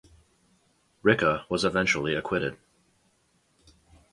Ricca was eventually acquitted.